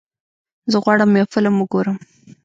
زه غواړم یو فلم وګورم.